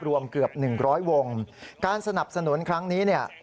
รวมเกือบหนึ่งร้อยวงการสนับสนุนครั้งนี้เนี่ย